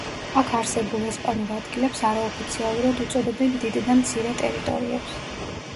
აქ არსებულ ესპანურ ადგილებს არაოფიციალურად უწოდებენ დიდ და მცირე ტერიტორიებს.